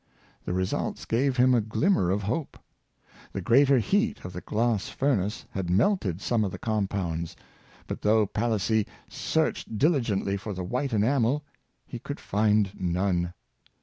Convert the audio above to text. The results gave him a glimmer of hope. The greater heat of the glass furnace had melted some of the com pounds, but though Palissy searched diligently for the white enamel he could find none.